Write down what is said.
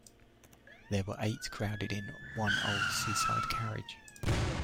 There were eight crowded in one old seaside carriage.